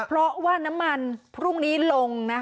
เพราะว่าน้ำมันพรุ่งนี้ลง